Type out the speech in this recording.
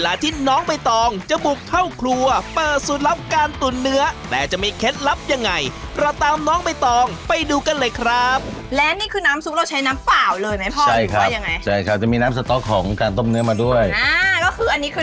ลูกชิ้นเนื้อที่ร้านทำเองเหรอพ่อ